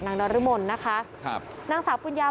พี่บูรำนี้ลงมาแล้ว